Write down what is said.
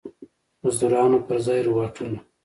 مزدورانو پر ځای روباټونه.